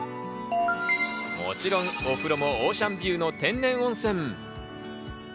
もちろんお風呂もオーシャンビューの天然温泉。